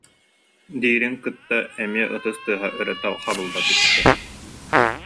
диирин кытта эмиэ ытыс тыаһа өрө хабылла түстэ